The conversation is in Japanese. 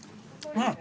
うん！